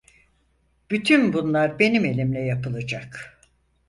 Bütün bunlar benim elimle yapılacak.